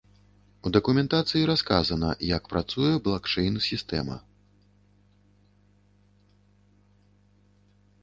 У дакументацыі расказана, як працуе блакчэйн-сістэма.